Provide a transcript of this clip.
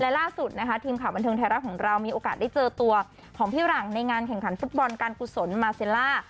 และล่าสุดนะคะทีมข่าวบันเทิงไทยรัฐของเรามีโอกาสได้เจอตัวของพี่หลังในงานแข่งขันฟุตบอลการกุศลมาเซล่า